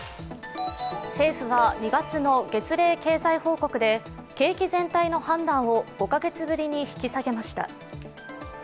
政府は２月の月例経済報告で景気全体の判断を５カ月ぶりに引き下げました。